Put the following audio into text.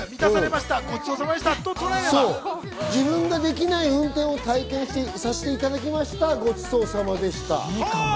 自分でできない運転を体験させていただきました、ごちそうさまでした。